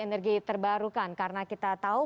energi terbarukan karena kita tahu